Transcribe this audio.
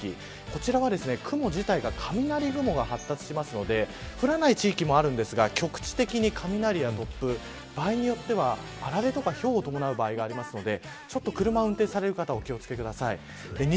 こちらは雲自体が雷雲が発達するので降らない地域もあるんですが極地的に雷や突風場合によっては、あられやひょうとなる場合があるので車を運転される方お気を付けください。